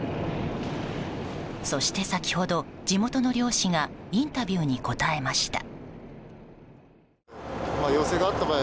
そして先ほど、地元の漁師がインタビューに答えました。